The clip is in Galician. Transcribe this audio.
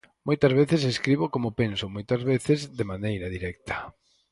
Moitas veces escribo como penso, moitas veces de maneira directa.